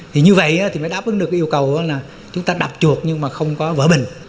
thì như vậy thì mới đáp ứng được cái yêu cầu là chúng ta đập chuột nhưng mà không có vỡ bình